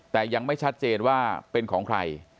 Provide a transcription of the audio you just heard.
แต่ยังไม่ชัดเจนว่าเป็นของใคร